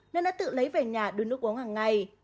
nên đã tự lấy về nhà đưa nước uống hàng ngày